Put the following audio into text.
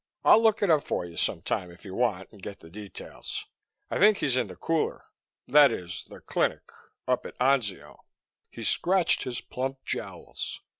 I'll look it up for you some time, if you want, and get the details. I think he's in the cooler that is, the clinic up at Anzio." He scratched his plump jowls.